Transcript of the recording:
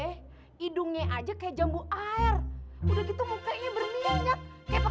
hidungnya minggu bacaannya tuh udah dw threat tenteng bahan judulnyacept